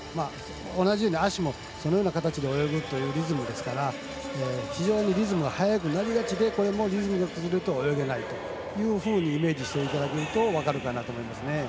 同じように足がそのような形で泳ぐリズムですから非常にリズムが速くなりがちでこれもリズムが崩れると泳げないというふうにイメージしていただけると分かるかなと思いますね。